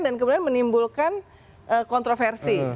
dan kemudian menimbulkan kontroversi